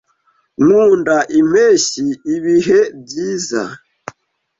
Nkunda impeshyi ibihe byiza.